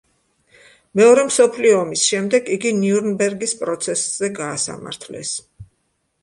მეორე მსოფლიო ომის შემდეგ იგი ნიურნბერგის პროცესზე გაასამართლეს.